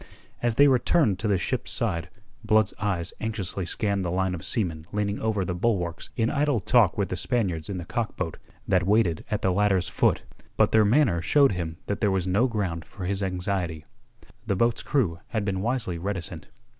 As they returned to the ship's side, Blood's eyes anxiously scanned the line of seamen leaning over the bulwarks in idle talk with the Spaniards in the cock boat that waited at the ladder's foot. But their manner showed him that there was no ground for his anxiety. The boat's crew had been wisely reticent.